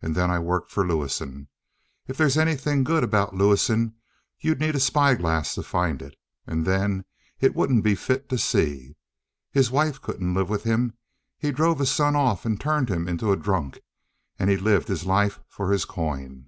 And then I worked for Lewison. If they's anything good about Lewison, you'd need a spyglass to find it, and then it wouldn't be fit to see. His wife couldn't live with him; he drove his son off and turned him into a drunk; and he's lived his life for his coin."